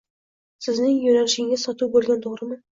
sizning yoʻnalishingiz sotuv boʻlgan, toʻgʻrimi?